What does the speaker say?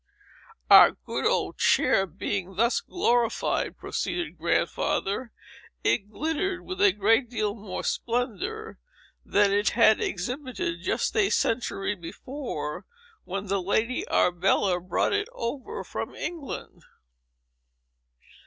"Our good old chair being thus glorified," proceeded Grandfather, "it glittered with a great deal more splendor than it had exhibited just a century before, when the Lady Arbella brought it over from England.